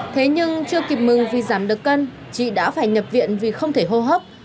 thế nhưng chưa kịp mừng vì giảm được cân chị đã phải nhập viện vì không thể hô hấp